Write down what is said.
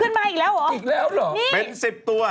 ขึ้นมาอีกแล้วเหรอนี่เป็น๑๐ตัว